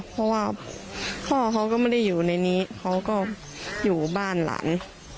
เพราะว่าพ่อเขาก็ไม่ได้อยู่ในนี้เขาก็อยู่บ้านหลัง